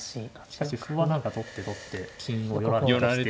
しかし歩は何か取って取って金を寄られるとして。